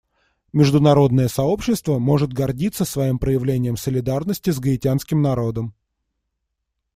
Международное сообщество может гордиться своим проявлением солидарности с гаитянским народом.